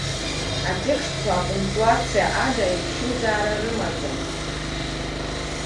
Атекстқәа апунктуациа ада еиԥшымзаара рымаӡам.